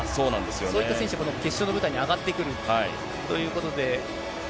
そういった選手がこの決勝の舞台に上がってくるということで。